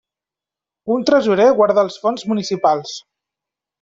Un tresorer guarda els fons municipals.